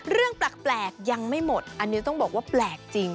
เรื่องแปลกยังไม่หมดอันนี้ต้องบอกว่าแปลกจริง